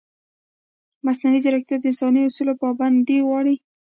مصنوعي ځیرکتیا د انساني اصولو پابندي غواړي.